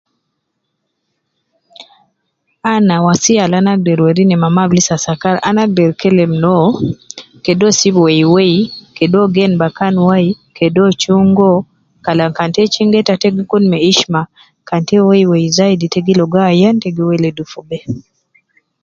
Ana wasiya al ana agder wedi ne mama ab lisa sakar, ana agder kelem noo, kede uwo sib wei wei, kede uwo gen bakan wai, kede uwo chunga uwo, kalam kan ta chunga ita gi kun ma ishma, kan ita wei wei zaidi ,ita gi ligo ayan, ita gi weledu fi bee